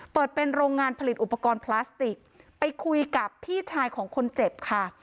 เปิดเป็นโรงงานผลิตอุปกรณ์พลาสติกไปคุยกับพี่ชายของคนเจ็บค่ะ